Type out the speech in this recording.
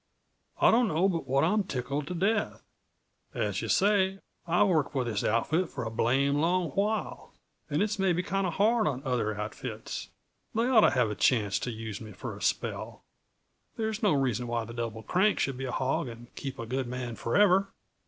I don't know but what I'm tickled to death. As yuh say, I've worked for this outfit a blame long while and it's maybe kinda hard on other outfits; they oughta have a chance to use me for a spell. There's no reason why the Double Crank should be a hog and keep a good man forever."